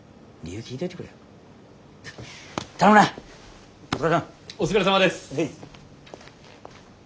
お疲れさまです。